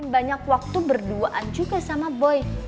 banyak waktu berduaan juga sama boy